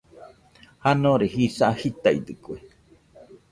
Janore jisa jitaidɨkue.